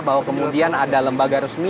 bahwa kemudian ada lembaga resmi